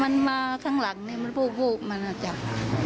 คุณหมายถึงว่ามันไล่มันไล่จากขาขึ้นจาก